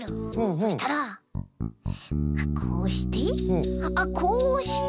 そしたらこうしてあっこうして。